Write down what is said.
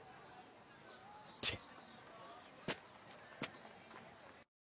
チッ。